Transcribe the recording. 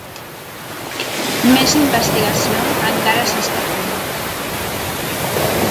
Més investigació encara s'està fent.